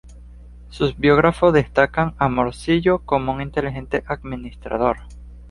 Sus biógrafos destacan a Morcillo como un inteligente administrador.